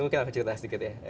mungkin akan cerita sedikit ya